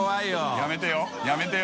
やめてよやめてよ。